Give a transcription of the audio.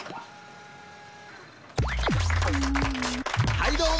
はいども！